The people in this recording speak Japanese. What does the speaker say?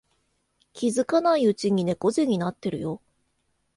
気づかないうちに猫背になってるよ